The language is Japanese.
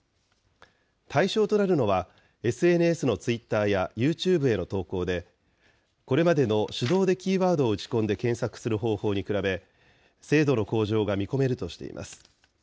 対象となるのは、ＳＮＳのツイッターやユーチューブへの投稿で、これまでの手動でキーワードを打ち込んで検索する方法に比べ、精度の向上が見込めるとしています。